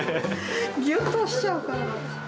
ぎゅっと押しちゃうから。